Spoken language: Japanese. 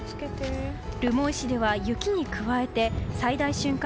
留萌市では雪に加えて最大瞬間